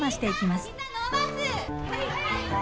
はい！